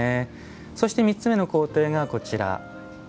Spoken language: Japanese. そして３つ目の工程が、こちら。